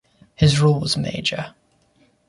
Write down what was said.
His role was major.